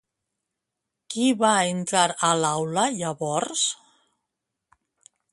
Qui va entrar a l'aula llavors?